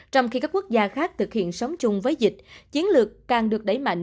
trong khi các quốc gia khác thực hiện sống chung với dịch chiến lược càng được đẩy mạnh